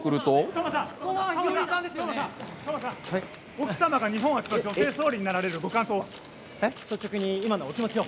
奥様が日本初の女性総理になられるご感想は？え？